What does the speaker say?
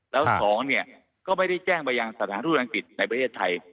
แล้ว๒เนี่ยก็ไม่ได้แจ้งไปยังสถานทูตอังกฤษในประเทศไทย